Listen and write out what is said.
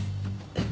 えっ？